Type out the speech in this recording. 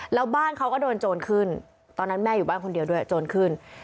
แล้วบ้านเขาก็โดนโจรขึ้นตอนนั้นแม่อยู่บ้านคนเดียวด้วยโจรขึ้น